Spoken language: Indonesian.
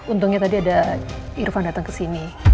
untungnya tadi ada irfan dateng kesini